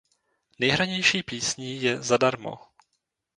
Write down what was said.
Nejhranější písní je „Zadarmo“.